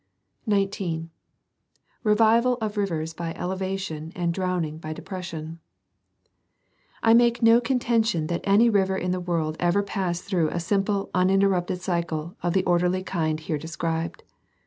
19. Revival of rivers by elevation and drowning by depression. — I make no contention that any river in the world ever passed through a simple uninterrupted cycle of the orderly kind here described.